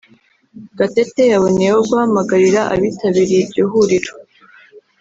Gatete yaboneyeho guhamagarira abitabiriye iryo huriro